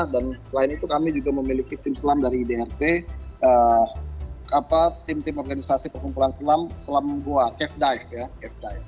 dan selain itu kami juga memiliki tim selam dari drp tim tim organisasi pengumpulan selam selam goa kevdive